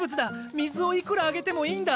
水をいくらあげてもいいんだ！